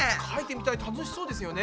楽しそうですよね。